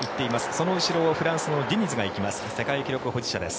その後ろをフランスのディニズが行きます。